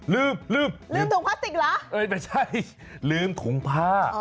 ลืมถุงพลาสติกเหรอไม่ใช่ลืมถุงผ้า